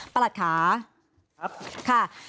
ประหลัดค่าครับ